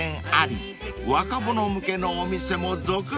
［若者向けのお店も続々オープン］